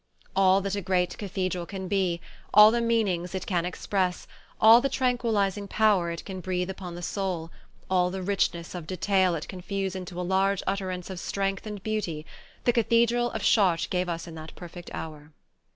All that a great cathedral can be, all the meanings it can express, all the tranquilizing power it can breathe upon the soul, all the richness of detail it can fuse into a large utterance of strength and beauty, the cathedral of Chartres gave us in that perfect hour.